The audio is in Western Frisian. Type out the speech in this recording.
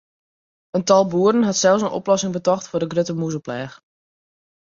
In tal boeren hat sels in oplossing betocht foar de grutte mûzepleach.